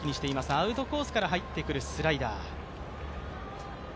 アウトコースから入ってくるスライダー。